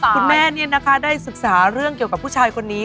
คุณแม่ได้ศึกษาเรื่องเกี่ยวกับผู้ชายคนนี้